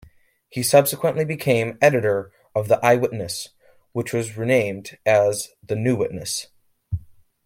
He subsequently became editor of the "Eye-Witness", which was renamed as the "New Witness".